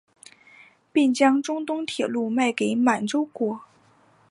并将中东铁路卖给满洲国。